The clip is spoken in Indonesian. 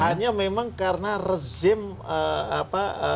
hanya memang karena rezeki